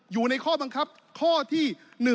อยู่ในข้อบังคับข้อที่๑